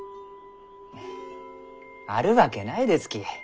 フッあるわけないですき。